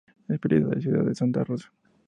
Es propiedad de la ciudad de Santa Rosa.